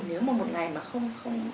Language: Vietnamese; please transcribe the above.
nếu mà một ngày mà không